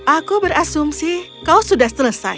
aku berasumsi kau sudah selesai